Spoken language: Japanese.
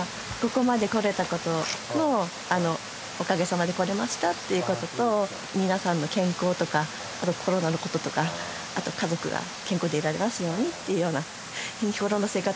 ここまで来れたことをおかげさまで来れましたっていうことと皆さんの健康とかあとコロナのこととかあと家族が健康でいられますようにっていうような。